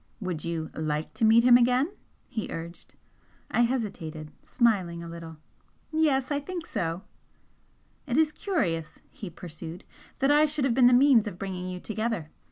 "Would you LIKE to meet him again?" he urged. I hesitated, smiling a little. "Yes, I think so!" "It is curious," he pursued "that I should have been the means of bringing you together.